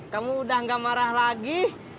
kamu udah gak marah lagi